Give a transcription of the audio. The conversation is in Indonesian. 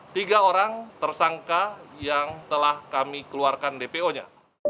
tiga orang tersangka yang telah kami keluarkan dpo nya